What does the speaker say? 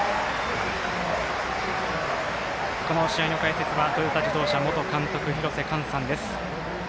この試合の解説はトヨタ自動車元監督廣瀬寛さんです。